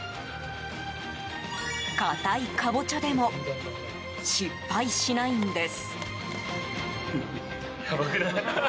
硬いカボチャでも失敗しないんです。